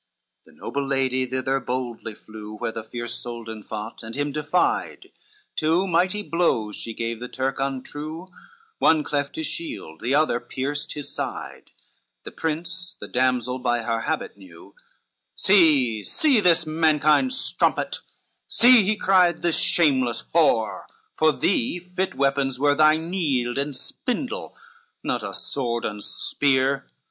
XCV The noble lady thither boldly flew, Where first the Soldan fought, and him defied, Two mighty blows she gave the Turk untrue, One cleft his shield, the other pierced his side; The prince the damsel by her habit knew, "See, see this mankind strumpet, see," he cried, "This shameless whore, for thee fit weapons were Thy neeld and spindle, not a sword and spear."